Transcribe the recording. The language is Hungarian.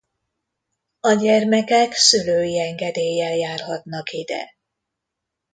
A gyermekek szülői engedéllyel járhatnak ide.